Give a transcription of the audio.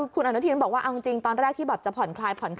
คุณอนุทินบอกว่าเอาจริงตอนแรกที่แบบจะผ่อนคลายผ่อนค